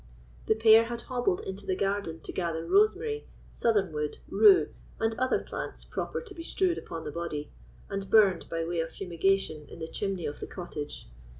The pair had hobbled into the garden to gather rosemary, southernwood, rue, and other plants proper to be strewed upon the body, and burned by way of fumigation in the chimney of the cottage.